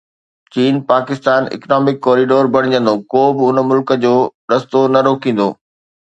چين Pakistan economic corridor بڻجندو، ڪو به ملڪ ان جو رستو نه روڪيندو.